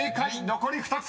残り２つ。